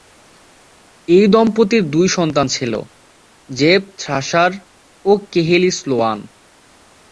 এই দম্পতির দুই সন্তান ছিল: জেফ থ্রাশার ও কেহেলি স্লোয়ান।